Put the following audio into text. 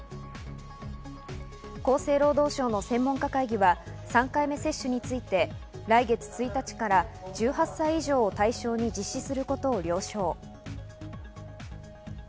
厚生労働省の専門家会議は３回目接種について来月１日から１８歳以上を対象に実施することを了承。